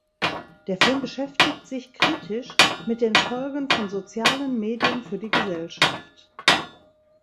Der Film beschäftigt sich kritisch mit den Folgen von sozialen Medien für die Gesellschaft.